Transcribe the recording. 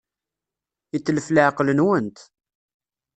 Yetlef leɛqel-nwent.